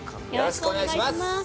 よろしくお願いします